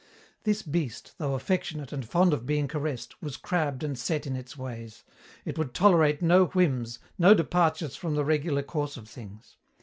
This beast, though affectionate and fond of being caressed, was crabbed and set in its ways. It would tolerate no whims, no departures from the regular course of things.